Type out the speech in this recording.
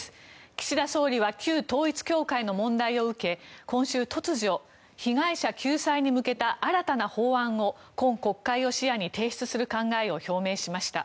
岸田総理は旧統一教会の問題を受け今週、突如被害者救済に向けた新たな法案を今国会を視野に提出する考えを表明しました。